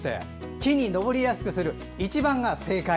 木に登りやすくする、１番が正解。